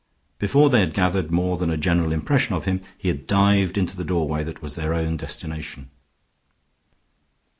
Before they had gathered more than a general impression of him, he had dived into the doorway that was their own destination.